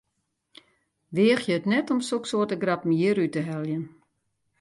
Weagje it net om soksoarte grappen hjir út te heljen!